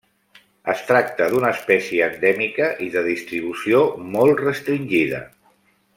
Es tracta d'una espècie endèmica i de distribució molt restringida.